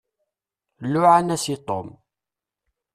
Luɛan-as i Tom.